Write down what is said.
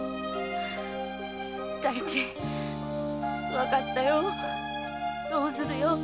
わかったよそうするよ。